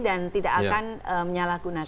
dan tidak akan menyalahgunakan